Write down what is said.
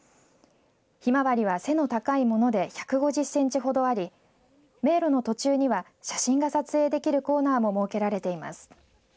ヒマワリは背の高いもので１５０センチほどあり迷路の途中には写真が撮影できるコーナーも設けられています。